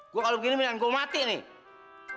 gue kalau begini minat gue mati nih